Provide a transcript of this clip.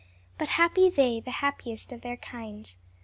"But happy they! the happiest of their kind!